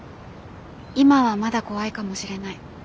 今はまだ怖いかもしれない。